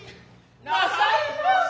なさいまし。